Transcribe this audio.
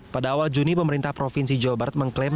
pada awal juni pemerintah provinsi jawa barat mengklaim